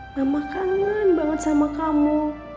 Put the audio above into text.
mama kangen banget sama kamu